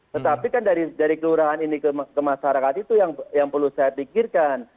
tetapi kan dari kelurahan ini ke masyarakat itu yang perlu saya pikirkan